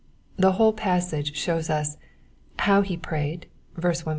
'' The whole passage shows us : How he prayed (verse 145).